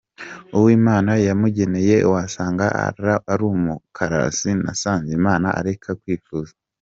Uwimana yamugeneye wasanga arumukarasi nasenge Imana areke kwifuza.